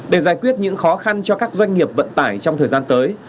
để giải quyết những khó khăn cho các doanh nghiệp vận tải trong thời gian tới